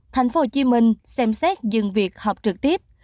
thành phố hồ chí minh xem xét dừng việc học trực tiếp